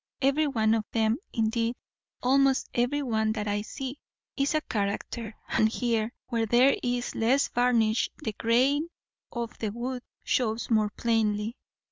Everyone of them, indeed almost every one that I see, is a character; and here, where there is less varnish, the grain of the wood shows more plainly.